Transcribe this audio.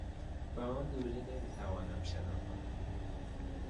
به آن دوری نمیتوانم شنا کنم.